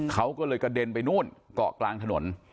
เขาก็เลยกระเด็นไปนู่นเกาะกลางถนน